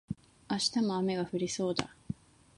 明日も雨が降りそうだ